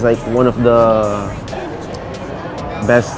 แรงเลย